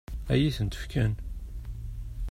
Ad iyi-tent-fken?